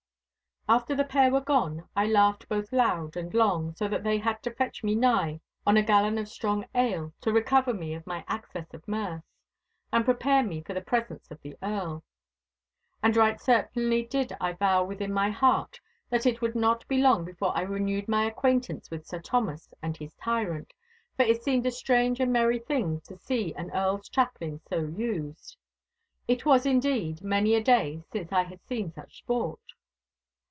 After the pair were gone, I laughed both loud and long, so that they had to fetch me nigh on a gallon of strong ale to recover me of my access of mirth, and prepare me for the presence of the Earl. And right certainly did I vow within my heart, that it would not be long before I renewed acquaintance with Sir Thomas and his tyrant, for it seemed a strange and merry thing to sec an Earl's chaplain so used. It was, indeed, many a day since I had seen such sport.